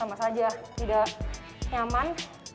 sama saja tidak nyaman